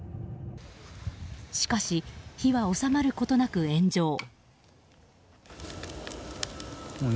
しかし、火は収まることなく炎上。